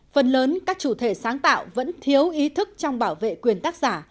phần lớn các chủ thể sáng tạo vẫn thiếu ý thức trong bảo vệ quyền tác giả